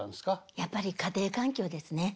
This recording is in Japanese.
やっぱり家庭環境ですね。